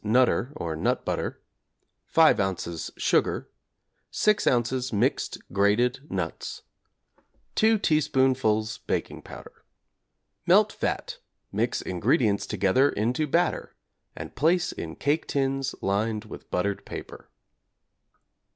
'Nutter,' or nut butter, 5 ozs. sugar, 6 ozs. mixed grated nuts, 2 teaspoonfuls baking powder. Melt fat, mix ingredients together into batter, and place in cake tins lined with buttered paper.